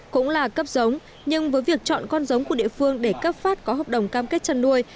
cũng là cấp giống nhưng với việc chọn con giống của địa phương để cấp phát có hợp đồng cam kết chăn nuôi